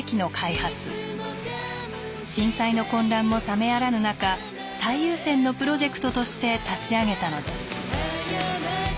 震災の混乱もさめやらぬ中最優先のプロジェクトとして立ち上げたのです。